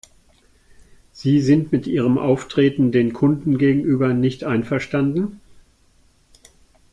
Sie sind mit ihrem Auftreten den Kunden gegenüber nicht einverstanden?